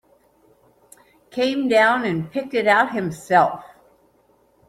Came down and picked it out himself.